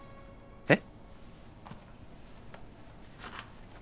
えっ？